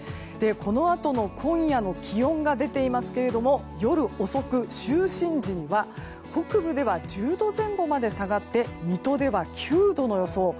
このあとの今夜の気温が出ていますが夜遅く、就寝時には北部では１０度前後まで下がって水戸では９度の予想。